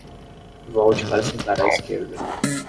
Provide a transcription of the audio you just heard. Volte para sentar à esquerda